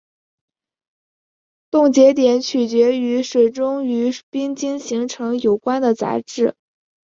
冻结点取决于水中与冰晶形成有关的杂质。